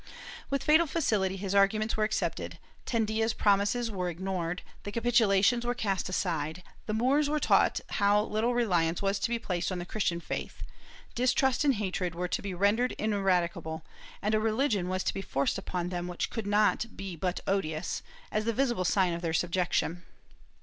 With fatal facility his arguments were accepted; Tendilla's promises were ignored; the capitulations were cast aside; the Moors were to be taught how little reliance was to be placed on Christian faith; distrust and hatred were to be rendered ineradicable, and a religion was to be forced upon them which could not but be odious, as the visible sign of their subjection.